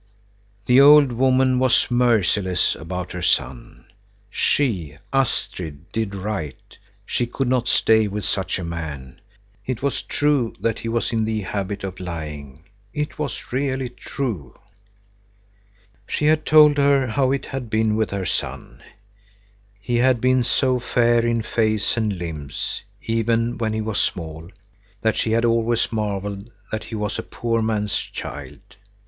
The old woman was merciless about her son. She, Astrid, did right; she could not stay with such a man. It was true that he was in the habit of lying, it was really true. She told her how it had been with her son. He had been so fair in face and limbs, even when he was small, that she had always marvelled that he was a poor man's child.